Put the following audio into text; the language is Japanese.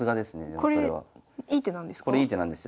これいい手なんですよ。